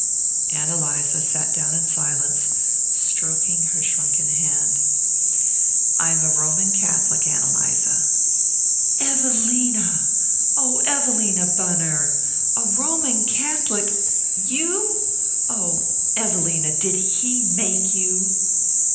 Ann Eliza sat down in silence, stroking her shrunken hand. "I'm a Roman Catholic, Ann Eliza." "Evelina oh, Evelina Bunner! A Roman Catholic YOU? Oh, Evelina, did HE make you?"